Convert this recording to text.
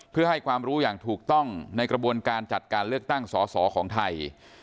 เพื่อให้ความรู้อย่างถูกต้องในกระบวนการจัดการเลือกตั้งสอสอของไทย